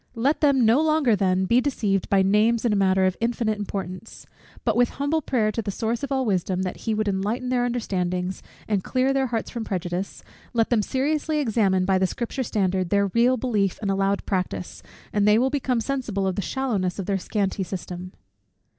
Let them no longer then be deceived by names in a matter of infinite importance: but with humble prayer to the Source of all wisdom, that he would enlighten their understandings, and clear their hearts from prejudice; let them seriously examine by the Scripture standard their real belief and allowed practice, and they will become sensible of the shallowness of their scanty system.